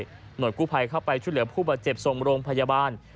หน่วยกู้ภัยเข้าไปช่วยเหลือผู้บาดเจ็บส่งโรงพยาบาล